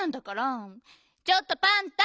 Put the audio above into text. ちょっとパンタ！